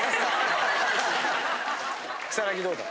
草薙どうだ？